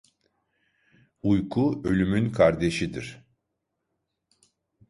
Uyku ölümün kardeşidir.